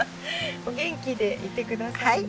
お元気でいて下さいね。